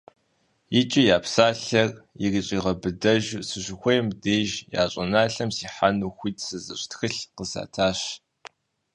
ИкӀи я псалъэр ирищӀагъэбыдэжу, сыщыхуейм деж я щӀыналъэм сихьэну хуит сызыщӀ тхылъ къызатащ.